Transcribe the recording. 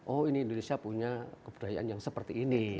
oh ini indonesia punya kebudayaan yang seperti ini